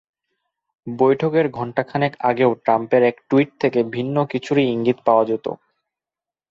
বৈঠকের ঘণ্টাখানেক আগেও ট্রাম্পের এক টুইট থেকে ভিন্ন কিছুরই ইঙ্গিত পাওয়া যায়।